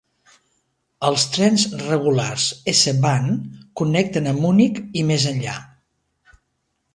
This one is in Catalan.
Els trens regulars S-Bahn connecten amb Munic i més enllà.